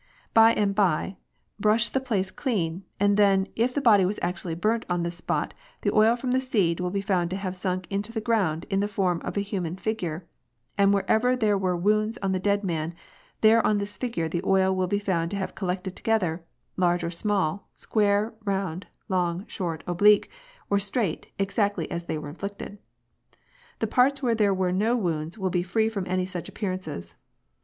By and by brush the place clean, and then, if the body was actually burnt on this spot, the oil from the seed will be found to have sunk into the ground in the form of a human figure, and wherever there were wounds on the dead man, there on this figure the oil will be found to have collected together, large or small, square, round, long, short, oblique, or straight, exactly as they were inflicted. The parts where there were no wounds will be free from any such appearances.